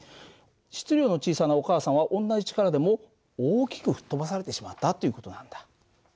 質量の小さなお母さんは同じ力でも大きく吹っ飛ばされてしまったっていう事なんだ。